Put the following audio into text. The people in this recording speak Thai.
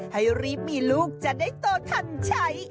ให้รีบมีลูกจะได้โตทันใช้